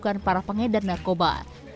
dilakukan para pengedar narkoba